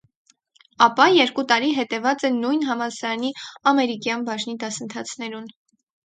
Ապա, երկու տարի հետեւած է նոյն համալսարանի ամերիկեան բաժինի դասընթացքներուն։